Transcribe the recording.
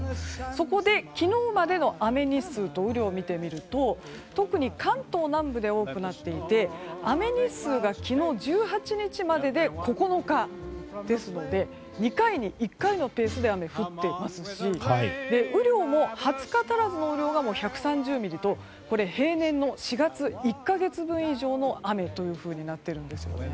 そこで、昨日までの雨日数と雨量を見てみると特に関東南部で多くなっていて雨日数が昨日、１８日までで９日ですので２回に１回のペースで雨が降っていますし雨量も２０日足らずの雨量がもう１３０ミリと平年の４月１か月分以上の雨となっているんですよね。